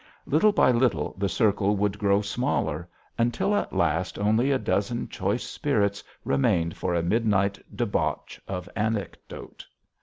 Little by little the circle would grow smaller until at last only a dozen choice spirits remained for a midnight debauch of anecdote.